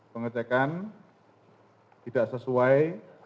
pengecekan tidak sesuai